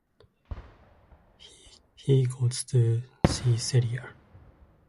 He goes to see Celia.